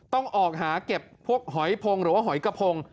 ต้องออกหาเก็บพวกหอยพงหรือว่าหอยกระพง